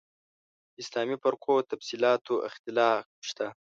اسلامي فرقو تفصیلاتو اختلاف شته.